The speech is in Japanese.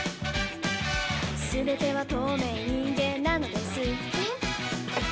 「すべては透明人間なのです」えっ？